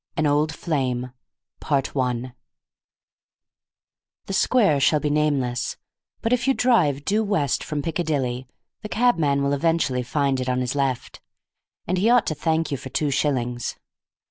AN OLD FLAME I The square shall be nameless, but if you drive due west from Piccadilly the cab man will eventually find it on his left, and he ought to thank you for two shillings.